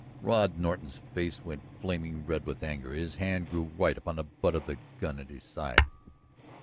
Rod Norton's face went a flaming red with anger, his hand grew white upon the butt of the gun at his side.